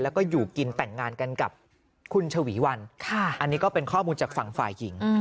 แล้วก็อยู่กินแต่งงานกันกับคุณชวีวันอันนี้ก็เป็นข้อมูลจากฝั่งฝ่ายหญิง